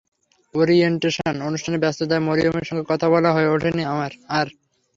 Orientation অনুষ্ঠানের ব্যস্ততায় মরিয়মের সঙ্গে কথা বলা হয়ে ওঠেনি আমার আর।